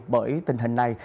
bởi tình hình này